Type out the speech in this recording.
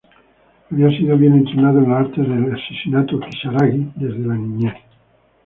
Había sido bien entrenado en las artes de asesinato "Kisaragi" desde la niñez.